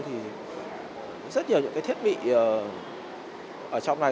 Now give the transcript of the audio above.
thì rất nhiều những cái thiết bị ở trong này